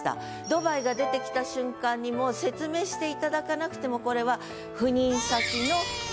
「ドバイ」が出てきた瞬間にもう説明していただかなくてもこれは。